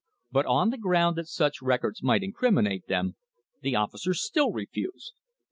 But, on the ground that such records might incriminate them, the officers still refused.